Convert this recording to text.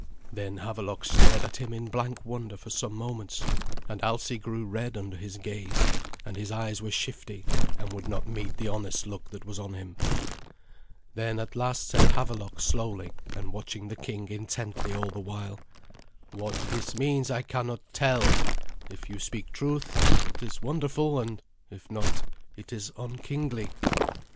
Then Havelok stared at him in blank wonder for some moments; and Alsi grew red under his gaze, and his eyes were shifty, and would not meet the honest look that was on him. Then at last said Havelok slowly, and watching the king intently all the while, "What this means I cannot tell. If you speak truth, it is wonderful; and if not, it is unkingly."